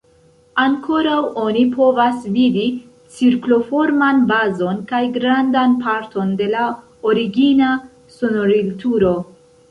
Ankoraŭ oni povas vidi cirklo-forman bazon kaj grandan parton de la origina sonorilturo.